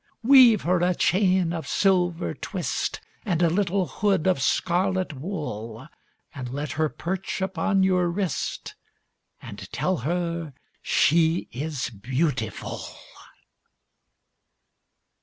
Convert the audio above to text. Weave her a chain of silver twist, And a little hood of scarlet wool, And let her perch upon your wrist, And tell her she is beautiful.